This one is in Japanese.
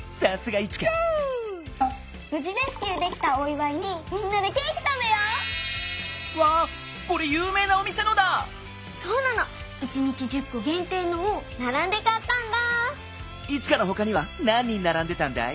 イチカのほかにはなん人ならんでたんだい？